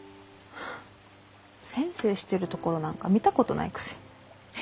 先生してるところなんか見たことないくせに。